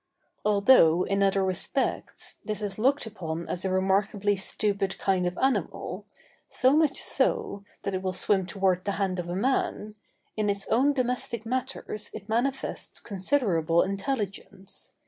Although, in other respects, this is looked upon as a remarkably stupid kind of animal, so much so, that it will swim towards the hand of a man, in its own domestic matters it manifests considerable intelligence.